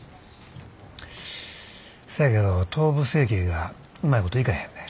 せやけど頭部成形がうまいこといかへんねん。